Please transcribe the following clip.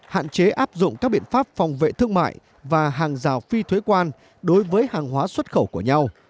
hạn chế áp dụng các biện pháp phòng vệ thương mại và hàng rào phi thuế quan đối với hàng hóa xuất khẩu của nhau